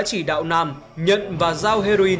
chỉ đạo nam nhận và giao heroin